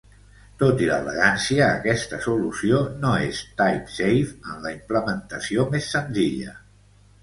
Tot i l'elegància, aquesta solució no és type-safe en la implementació més senzilla.